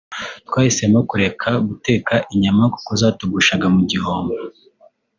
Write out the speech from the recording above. twahisemo kureka guteka inyama kuko zatugushaga mu gihombo